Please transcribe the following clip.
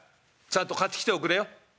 ちゃんと買ってきておくれよ。